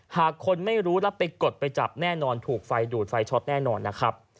หากคนไม่รู้แล้วไปกดไปจับแน่นอนถูกไฟดูดไฟช็อตแน่นอนนะครับ